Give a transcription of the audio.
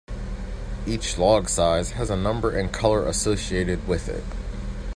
Each log size has a number and color associated with it.